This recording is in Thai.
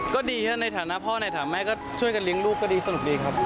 ก็ดีครับในฐานะพ่อในฐานะแม่ก็ช่วยกันเลี้ยงลูกก็ดีสนุกดีครับ